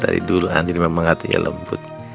dari dulu andin memang hatinya lembut